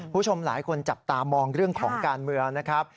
คุณผู้ชมหลายคนจับตามองเรื่องของการเมืองนะครับ